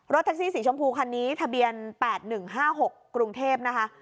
แท็กซี่สีชมพูคันนี้ทะเบียน๘๑๕๖กรุงเทพนะคะ